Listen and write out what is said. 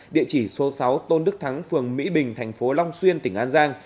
địa chỉ số sáu tôn đức thắng phường mỹ bình thành phố long xuyên tỉnh an giang